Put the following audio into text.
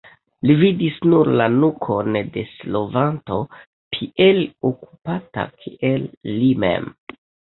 Li vidis nur la nukon de slovanto tiel okupata kiel li mem.